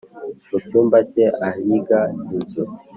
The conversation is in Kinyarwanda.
mucyumba cye ahiga inzu